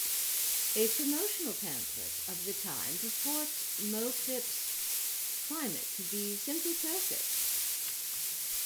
A promotional pamphlet of the time purports Moclips' climate to be "simply perfect".